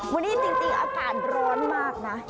วันนี้จริงอากาศร้อนมากนะ